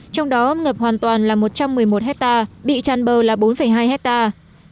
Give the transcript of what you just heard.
trong đó ngập hoàn toàn là một trăm một mươi một hectare bị tràn bờ là bốn hai hectare